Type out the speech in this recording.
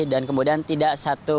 dan kemudian tidak satu